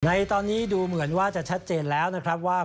ในตอนนี้ดูเหมือนว่าจะชัดเจนแล้วนะครับว่า